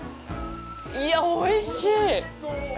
いや、おいしい！